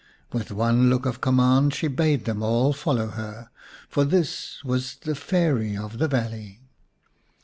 With one look of command she bade them all follow her, for this was the Fairy of the valley.